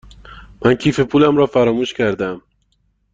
من کیف پولم را فراموش کرده ام.